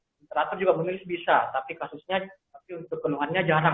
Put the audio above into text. interatur juga menulis bisa tapi kasusnya tapi untuk penuhannya jarang